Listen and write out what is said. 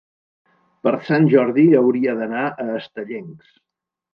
Per Sant Jordi hauria d'anar a Estellencs.